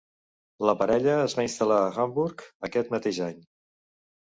La parella es va instal·lar a Hamburg aquest mateix any.